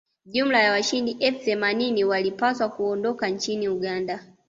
jumla ya wahidi elfu themanini walipaswa kuondoka nchini uganda